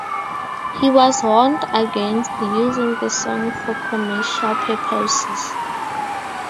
He was warned against using the song for commercial purposes.